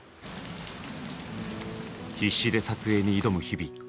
必死で撮影に挑む日々。